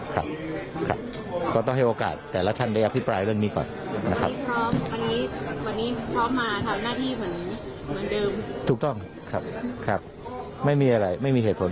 ก็ต้องให้โอกาสแต่ละท่านได้อภิปรายเรื่องนี้ก่อน